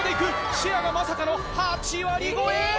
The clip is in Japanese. シェアがまさかの８割超え。